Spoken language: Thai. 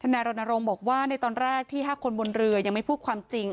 นายรณรงค์บอกว่าในตอนแรกที่๕คนบนเรือยังไม่พูดความจริง